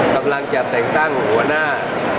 กำลังจะแต่งตั้งหัวหน้า